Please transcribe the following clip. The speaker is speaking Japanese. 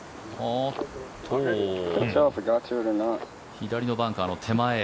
左のバンカーの手前。